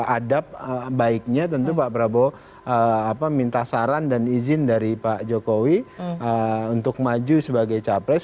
adab baiknya tentu pak prabowo minta saran dan izin dari pak jokowi untuk maju sebagai capres